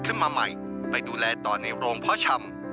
ขึ้นมาใหม่ไปดูแลต่อในโรงพ่อชำ